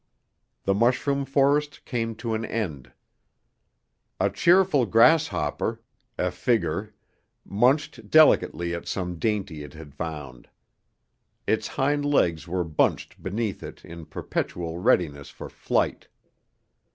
The mushroom forest came to an end. A cheerful grasshopper (Ephigger) munched delicately at some dainty it had found. Its hind legs were bunched beneath it in perpetual readiness for flight.